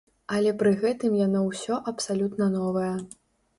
Але пры гэтым яно ўсё абсалютна новае.